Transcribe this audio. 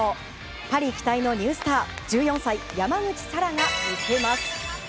パリ期待のニュースター１４歳の山口幸空が見せます。